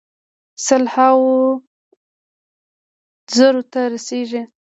سل هاوو زرو ته رسیږي.